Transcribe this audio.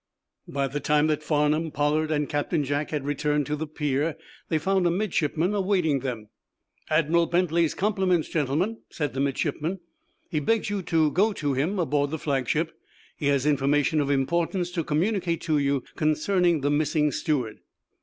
By the time that Farnum, Pollard and Captain Jack had returned to the pier they found a midshipman awaiting them. "Admiral Bentley's compliments, gentlemen," said the midshipman. "He begs you to go to him aboard the flagship. He has information of importance to communicate to you concerning the missing steward."